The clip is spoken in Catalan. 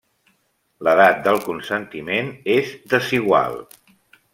L'edat del consentiment és desigual.